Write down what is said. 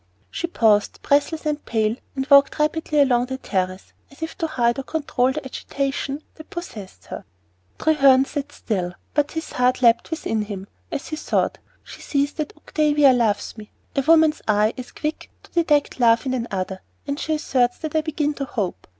She paused, breathless and pale, and walked rapidly along the terrace, as if to hide or control the agitation that possessed her. Treherne still sat silent, but his heart leaped within him, as he thought, "She sees that Octavia loves me! A woman's eye is quick to detect love in another, and she asserts what I begin to hope.